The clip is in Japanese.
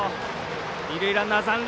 二塁ランナー残塁。